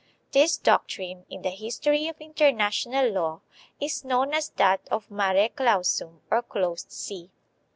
This doctrine in the History of International Law is known as that of mare clausum, or " closed sea."